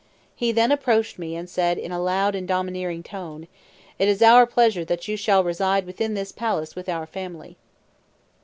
He then approached me, and said, in a loud and domineering tone: "It is our pleasure that you shall reside within this palace with our family."